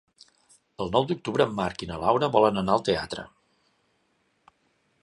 El nou d'octubre en Marc i na Laura volen anar al teatre.